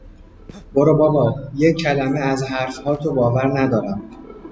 برو بابا! یک کلمه از حرفهاتو باور ندارم!